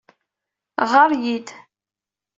Ɣɣar-iyi-d!